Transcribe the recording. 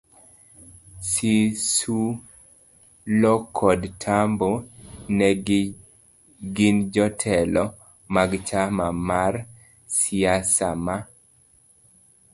SisulukodTambo ne ginjotelo magchama marsiasama